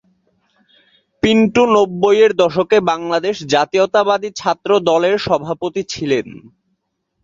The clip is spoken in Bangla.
পিন্টু নব্বইয়ের দশকে বাংলাদেশ জাতীয়তাবাদী ছাত্রদলের সভাপতি ছিলেন।